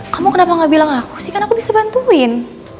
kamu kenapa gak bilang aku sih kan aku bisa bantuin